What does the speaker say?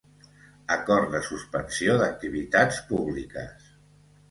Acord de suspensió d’activitats públiques.